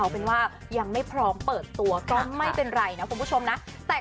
เพราะไม่เป็นไรนะคุณผู้ชมนะ